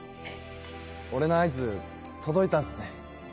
俺の合図届いたんすね？